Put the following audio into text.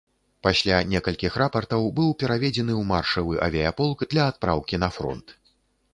Пасля некалькіх рапартаў быў пераведзены ў маршавы авіяполк для адпраўкі на фронт.